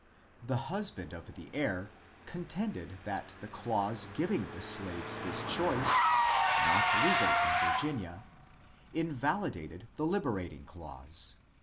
The husband of the heir contended that the clause giving the slaves this choice, not legal in Virginia, invalidated the liber ating clause.